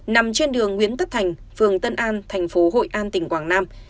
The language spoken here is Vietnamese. nằm trên đường nguyễn tất thành phường tân an thành phố hội an tỉnh quảng nam